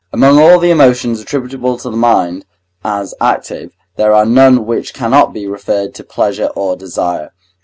Among all the emotions attributable to the mind as active, there are none which cannot be referred to pleasure or desire.